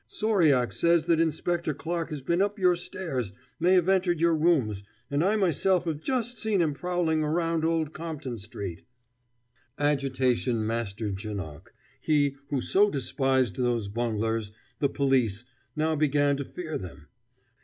"Sauriac says that Inspector Clarke has been up your stairs may have entered your rooms and I myself have just seen him prowling round Old Compton Street!" Agitation mastered Janoc; he, who so despised those bunglers, the police, now began to fear them.